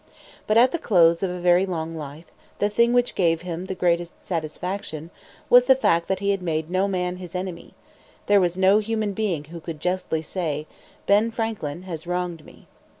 But, at the close of a very long life, the thing which gave him the greatest satisfaction was the fact that he had made no man his enemy; there was no human being who could justly say, "Ben Franklin has wronged me."